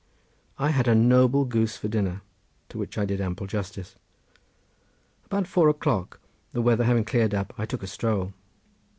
I had a noble goose for dinner to which I did ample justice. About four o'clock the weather having cleared up I took a stroll.